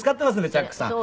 チャックさん。